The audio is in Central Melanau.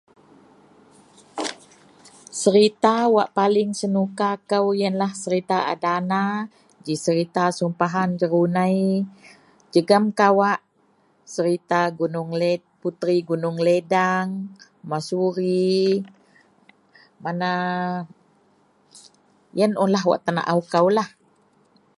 Serita wak paling senuka kou iyen serita a dana g serita Sumpahan Jerunei jegum kawak serita Putri Gunong Ledang, mashuri, mana. Iyen un lah wak tenaou kou.